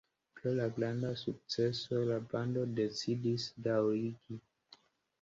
Pro la granda sukceso la bando decidis daŭrigi.